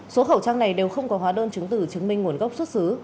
số khẩu trang này đều không có hóa đơn chứng tử chứng minh nguồn gốc xuất xứ